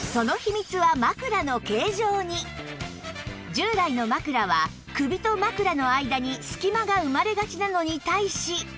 従来の枕は首と枕の間にすき間が生まれがちなのに対し